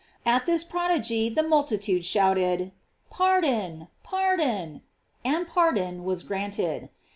At this prodigy the multitude shouted "Pardon, pardon," and pardon was grant ed.